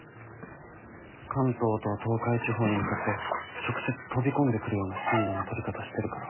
関東と東海地方に向かって直接飛び込んでくるような進路の取り方してるから。